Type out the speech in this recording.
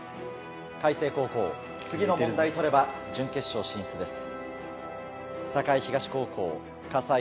開成高校次の問題取れば準決勝進出です。